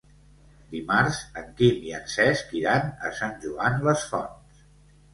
Dimarts en Quim i en Cesc iran a Sant Joan les Fonts.